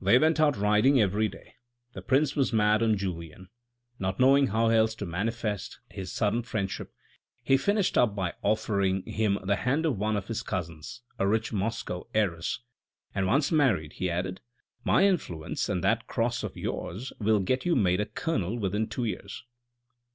They went out riding every day, the prince was mad on Julien. Not knowing how else to manifest his sudden friend ship, he finished up by offering him the hand of one of his cousins, a rich Moscow heiress ;" and once married," he added, " my influence and that cross of yours will get you made a Colonel within two years."